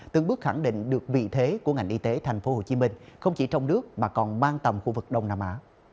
từng bước khẳng định được vị thế của ngành y tế tp hcm không chỉ trong nước mà còn mang tầm khu vực đông nam á